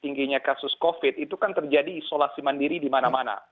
tingginya kasus covid itu kan terjadi isolasi mandiri di mana mana